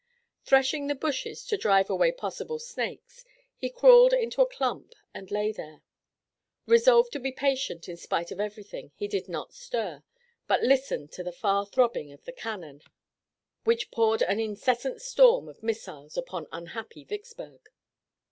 Threshing the bushes to drive away possible snakes, he crawled into a clump and lay there. Resolved to be patient in spite of everything, he did not stir, but listened to the far throbbing of the cannon which poured an incessant storm of missiles upon unhappy Vicksburg.